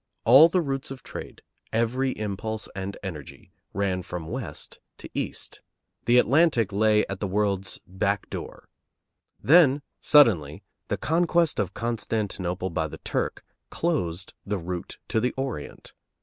All the routes of trade, every impulse and energy, ran from west to east. The Atlantic lay at the world's back door. Then, suddenly, the conquest of Constantinople by the Turk closed the route to the Orient.